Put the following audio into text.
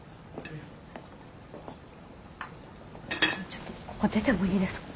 ちょっとここ出てもいいですか。